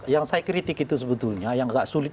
yang saya kritik itu sebetulnya yang agak sulit